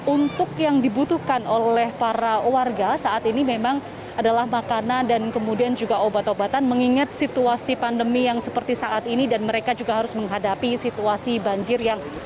untuk yang dibutuhkan oleh para warga saat ini memang adalah makanan dan kemudian juga obat obatan mengingat situasi pandemi yang seperti saat ini dan mereka juga harus menghadapi situasi banjir yang